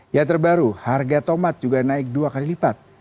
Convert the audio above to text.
yang terbaru harga tomat juga naik dua kali lipat